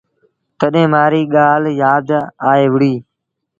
تڏهيݩ مآ ريٚ ڳآل يآد آئي وُهڙي۔